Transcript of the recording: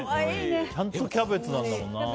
ちゃんとキャベツなんだもんな。